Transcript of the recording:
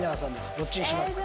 どっちにしますか？